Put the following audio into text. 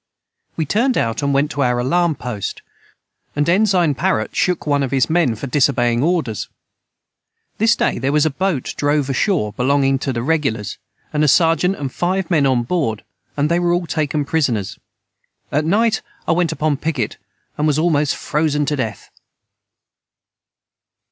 We turned out and went to our alarm post and Ensign Parot shook one of his men for disobying orders this day their was a boat drove ashore belonging to the regulars and a Seargent and 5 men on board and they were all taken prisoners at night I went upon the piquet and was almost frozen to Death.